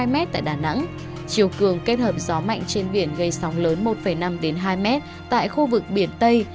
một mươi m tại đà nẵng chiều cường kết hợp gió mạnh trên biển gây sóng lớn một năm hai m tại khu vực biển tây